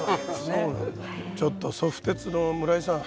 ちょっとソフ鉄の村井さん。